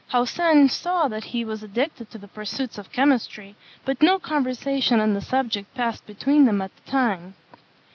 Haussen saw that he was addicted to the pursuits of chemistry, but no conversation on the subject passed between them at the time.